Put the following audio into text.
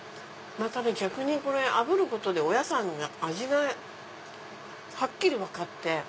逆にこれあぶることでお野菜の味がはっきり分かって。